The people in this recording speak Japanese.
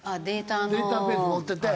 データベース持ってて。